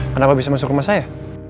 kenapa bisa masuk rumah saya